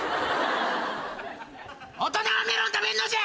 大人はメロン食べんのじゃ！